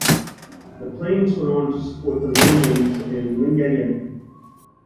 The planes went on to support the landings at Lingayen.